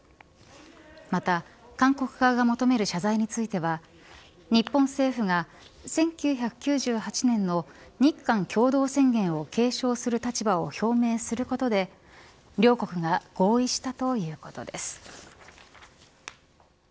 また、韓国側が求める謝罪については日本政府が１９９８年の日韓共同宣言を継承する立場を表明することで両国が合意したということです。